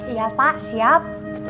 iya pak siap